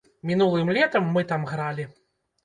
Мінулым летам мы там гралі.